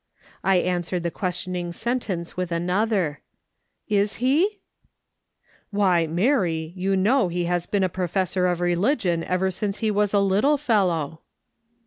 I answered the questioning sentence with another . *'Ishe?" " "Why, Mary, you know he has been a professor of religion ever since he was a little fellow